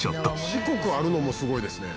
「四国あるのもすごいですね」